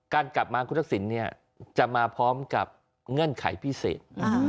การกลับมาคุณทักษิณจะมาพร้อมกับเงื่อนไขพิเศษ